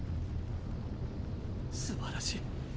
すばらしい。